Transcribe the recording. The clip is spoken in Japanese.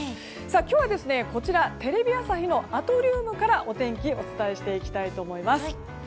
今日はテレビ朝日のアトリウムからお天気をお伝えしていきたいと思います。